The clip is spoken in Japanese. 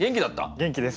元気です。